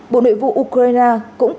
bộ nội vụ ukraine cũng cung cấp